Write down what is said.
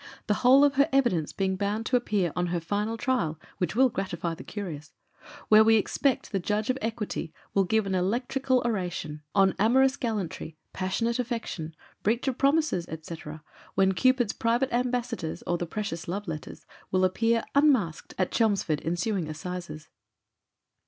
The whole of her evidence being bound to appear on her final trial (which will gratify the curious where we expect the judge of equity will give an electrical oration, on amorous gallantry, passionate affection, breach of promises, &c., when Cupid's private Ambassadors, or the precious Love Letters will appear unmasked at Chelmsford ensuing Assizes.